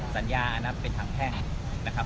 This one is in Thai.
ไม่ใช่นี่คือบ้านของคนที่เคยดื่มอยู่หรือเปล่า